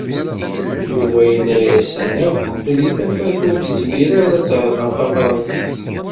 Yuba yenna-asen akk belli Tafat ur tezmir ara ad tehder tafṛansist.